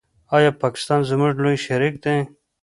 آیا پاکستان زموږ لوی شریک دی؟